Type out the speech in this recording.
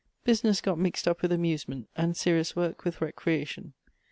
Business got mixed up with amusement, and serious work with recreation.